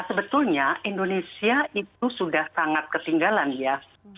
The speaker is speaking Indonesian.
sebetulnya indonesia itu sudah sangat ketinggalan ya